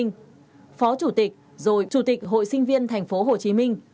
phó chủ tịch rồi chủ tịch hội sinh viên tp hcm